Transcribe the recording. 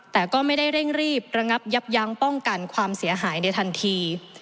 แต่ก็ไม่ได้เร่งรีบระงับยับยั้งป้องกันความเสียหายในทันที